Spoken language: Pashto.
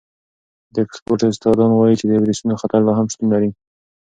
د اکسفورډ استادان وايي چې د وېروسونو خطر لا هم شتون لري.